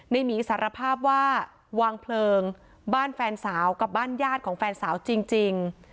หมีสารภาพว่าวางเพลิงบ้านแฟนสาวกับบ้านญาติของแฟนสาวจริง